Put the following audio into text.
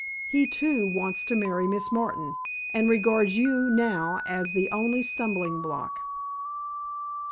He, too, wants to marry Miss Martin, and regards you now as the only stumbling block."